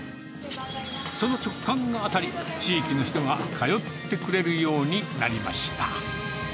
その直感が当たり、地域の人が通ってくれるようになりました。